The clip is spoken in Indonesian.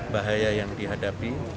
bahaya yang dihadapi